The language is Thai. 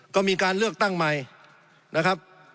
ก็มีการเลือกตั้งใหม่นะครับ